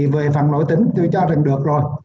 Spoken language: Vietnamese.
về phần nội tỉnh tôi cho rằng được rồi